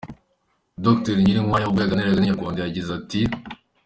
Dr Nyirinkwaya ubwo yaganiraga na Inyarwanda, yagize ati: .